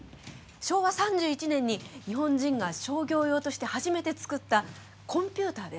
昭和３１年に日本人が商業用として初めて作ったコンピューターです。